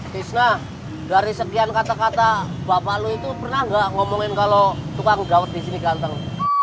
tisna dari sekian kata kata bapak lu itu pernah nggak ngomongin kalau tukang gawat di sini ganteng